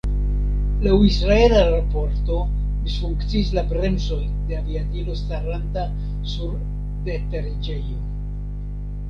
Laŭ israela raporto misfunkciis la bremsoj de aviadilo staranta sur deteriĝejo.